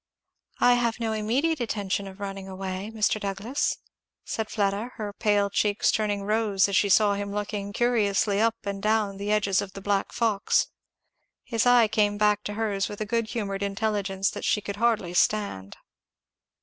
"I have no immediate intention of running away, Mr. Douglass," said Fleda, her pale cheeks turning rose as she saw him looking curiously up and down the edges of the black fox. His eye came back to hers with a good humoured intelligence that she could hardly stand.